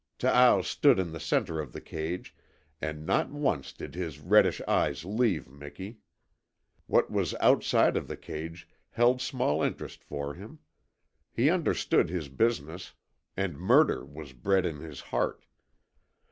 Taao stood in the centre of the cage, and not once did his reddish eyes leave Miki. What was outside of the cage held small interest for him. He understood his business, and murder was bred in his heart.